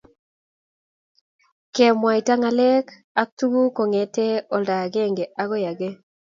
kemwaita ngalek ak tuguk kongetee olda agenge akoi age